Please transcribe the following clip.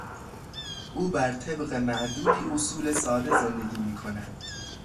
او بر طبق معدودی اصول ساده زندگی میکند.